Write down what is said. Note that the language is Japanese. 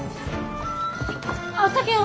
あっ竹雄！